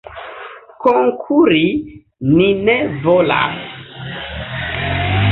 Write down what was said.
Konkuri ni ne volas.